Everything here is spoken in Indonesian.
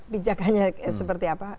pijakannya seperti apa